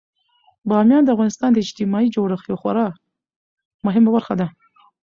بامیان د افغانستان د اجتماعي جوړښت یوه خورا مهمه برخه ده.